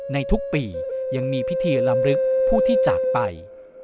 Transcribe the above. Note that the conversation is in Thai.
ในทุกปียังมีพิธีลำลึกผู้ที่จากไป